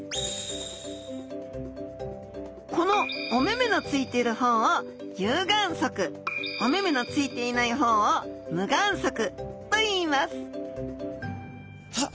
このお目々のついてる方を有眼側お目々のついていない方を無眼側といいますさあ